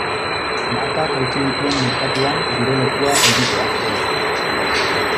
Markak hautsi dituen merkatuan gure lekua egitea xede.